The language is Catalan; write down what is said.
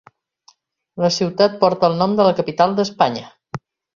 La ciutat porta el nom de la capital d'Espanya.